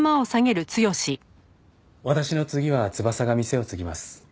私の次は翼が店を継ぎます。